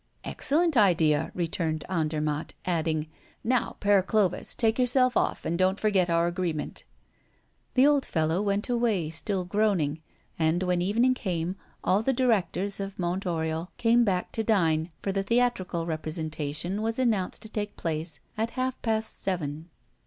"Excellent idea," returned Andermatt, adding: "Now, Père Clovis, take yourself off, and don't forget our agreement." The old fellow went away still groaning; and, when evening came on, all the directors of Mont Oriol came back to dine, for the theatrical representation was announced to take place at half past seven.